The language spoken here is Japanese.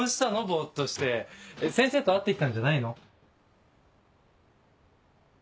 ボっとして先生と会って来たんじゃないの？